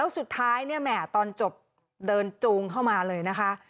สุดท้ายเนี่ยแหม่ตอนจบเดินจูงเข้ามาเลยนะคะ